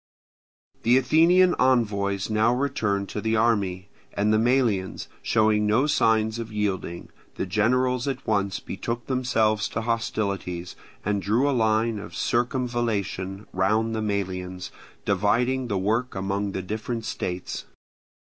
The Athenian envoys now returned to the army; and the Melians showing no signs of yielding, the generals at once betook themselves to hostilities, and drew a line of circumvallation round the Melians, dividing the work among the different states.